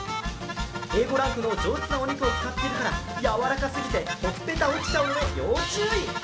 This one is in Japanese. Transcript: Ａ５ランクの上質なお肉を使っているから、やわらかすぎてほっぺた落ちちゃうんで要注意。